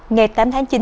ngày tám tháng chín